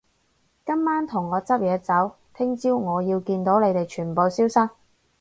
今晚同我執嘢走，聽朝我要見到你哋全部消失